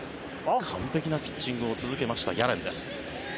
完璧なピッチングを続けましたギャレンです。